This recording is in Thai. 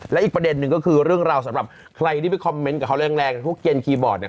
และอีกประเด็นหนึ่งก็คือเรื่องราวสำหรับใครที่ไปคอมเมนต์กับเขาแรงพวกเกณฑ์คีย์บอร์ดเนี่ย